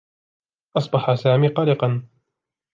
أصبح سامي قلقا.